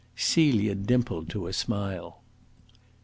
Celia dimpled to a smile.